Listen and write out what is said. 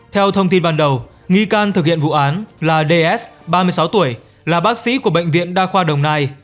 theo thông tin ban đầu nghi can thực hiện vụ án là ds ba mươi sáu tuổi là bác sĩ của bệnh viện đa khoa đồng nai